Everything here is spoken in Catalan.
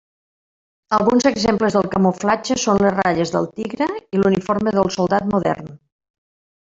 Alguns exemples del camuflatge són les ratlles del tigre i l'uniforme del soldat modern.